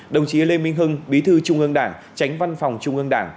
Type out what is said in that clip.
đồng chí lê minh hưng bí thư trung ương đảng tránh văn phòng trung ương đảng